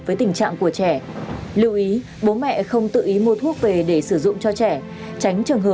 với tiến triển nặng